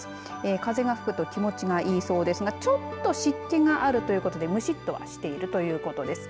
風が吹くと気持ちがいいそうですがちょっと湿気があるということでむしっとはしているということです。